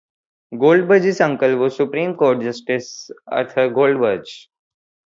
Goldberg's uncle was Supreme Court Justice Arthur Goldberg.